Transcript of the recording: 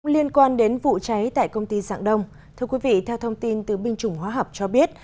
liên quan đến vụ cháy tại công ty dạng đông thưa quý vị theo thông tin từ binh chủng hóa học cho biết